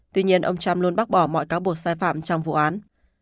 tuy nhiên ông trump luôn bác bỏ mọi cáo buộc sai phạm trong vụ án